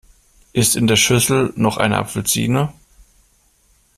Ist in der Schüssel noch eine Apfelsine?